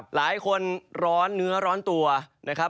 หลายคนร้อนเนื้อร้อนตัวนะครับ